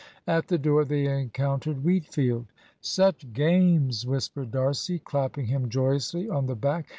At the door they encountered Wheatfield. "Such games!" whispered D'Arcy, clapping him joyously on the back.